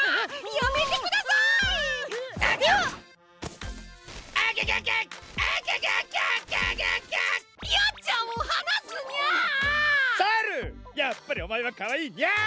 やっぱりおまえはかわいいニャ！